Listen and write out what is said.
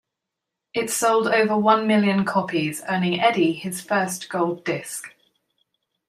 It sold over one million copies, earning Eddy his first gold disc.